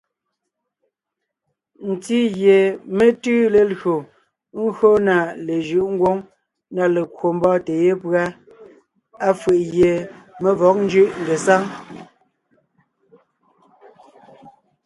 Ntí gie mé tʉʉ lelÿò ńgÿo na lejʉ̌ʼ ngwóŋ na lekwò mbɔ́ɔntè yépʉ́a, á fʉ̀ʼ gie mé vɔ̌g ńjʉ́ʼ ngesáŋ.